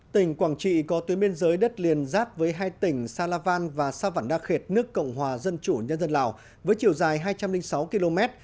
tỉnh quảng trị có tuyến biên giới đất liền giáp với hai tỉnh sa la van và sa văn đa khệt nước cộng hòa dân chủ nhân dân lào với chiều dài hai trăm linh sáu km